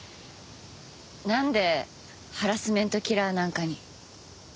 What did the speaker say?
なんでハラスメントキラーなんかに。